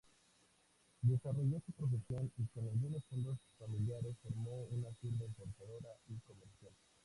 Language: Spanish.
Desarrollo su profesión y con algunos fondos familiares formó una firma importadora y comercial.